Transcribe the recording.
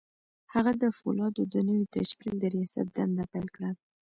هغه د پولادو د نوي تشکیل د رياست دنده پیل کړه